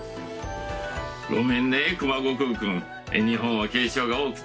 ごめんね熊悟空くん日本は敬称が多くて。